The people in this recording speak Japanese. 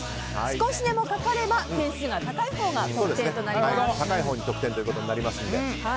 少しでもかかれば点数が高いほうが得点となります。